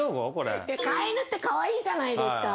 飼い犬ってカワイイじゃないですか。